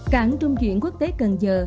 cảng trung chuyển quốc tế cần giờ